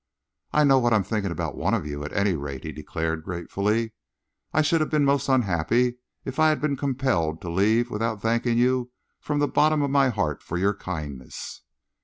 "I know what I'm thinking about one of you, at any rate," he declared gratefully. "I should have been most unhappy if I had been compelled to leave without thanking you from the bottom of my heart for your kindness."